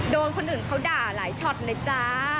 โดนคนอื่นเขาด่าหลายช็อตเลยจ้า